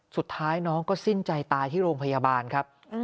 สุดท้ายน้องก็สิ้นใจตายที่โรงพยาบาลครับ